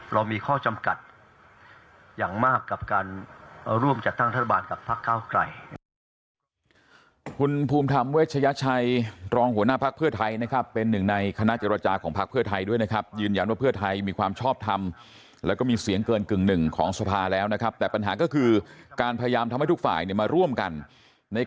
เรามีข้อจำกัดอย่างมากกับการร่วมจัดตั้งทราบาลกับพักข้าวไกล